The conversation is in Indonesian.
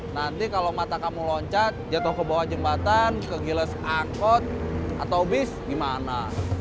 nanti kalau mata kamu loncat jatuh ke bawah jembatan ke giles angkot atau bis gimana